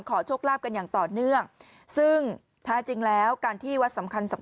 โชคลาภกันอย่างต่อเนื่องซึ่งแท้จริงแล้วการที่วัดสำคัญสำคัญ